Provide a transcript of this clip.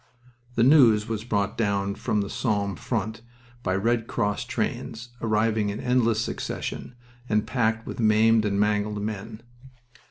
The news was brought down from the Somme front by Red Cross trains, arriving in endless succession, and packed with maimed and mangled men.